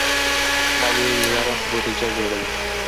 مالیې وزارت بودجه جوړوي